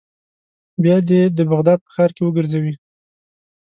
بیا دې د بغداد په ښار کې وګرځوي.